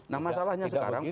nah masalahnya sekarang